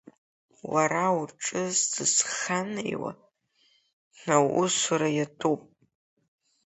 Уара уҿы сызханеуа аусура иатәуп.